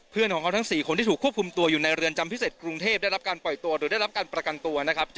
เพื่อนของเขาทั้ง๔คนที่ถูกควบคุมตัวอยู่ในเรือนจำพิเศษกรุงเทพได้รับการปล่อยตัวหรือได้รับการประกันตัวนะครับ